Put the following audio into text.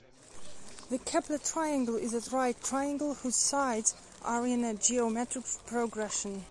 The Kepler triangle is a right triangle whose sides are in a geometric progression.